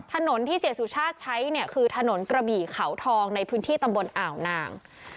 ถนนที่เสียสุชาติใช้เนี่ยคือถนนกระบี่เขาทองในพื้นที่ตำบลอ่าวนาง